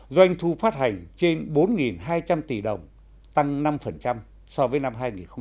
doanh thu phát hành trên bốn hai trăm linh tỷ đồng tăng năm so với năm hai nghìn một mươi tám